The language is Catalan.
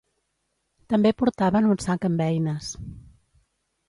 També portaven un sac amb eines.